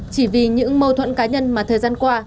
chỉ vì những mâu thuẫn cá nhân mà thời gian qua